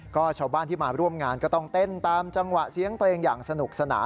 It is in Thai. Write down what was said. ก็ชาวบ้านที่มาร่วมงานก็ต้องเต้นตามจังหวะเสียงเพลงอย่างสนุกสนาน